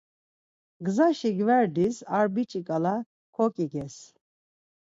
Gzaşi gverdis ar biç̌i ǩala koǩiges.